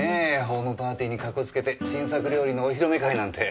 ホームパーティーにかこつけて新作料理のお披露目会なんて。